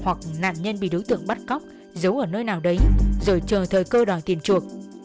hoặc nạn nhân bị đối tượng bắt cóc giấu ở nơi nào đấy rồi chờ thời cơ đòi tiền chuộc